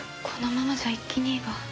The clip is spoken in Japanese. このままじゃ一輝兄が。